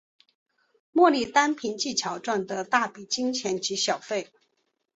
莫莉单凭技巧赚得大笔金钱及小费。